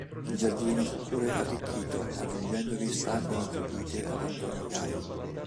Il giardino fu pure arricchito, aggiungendovi statue attribuite ad Antonio Gai.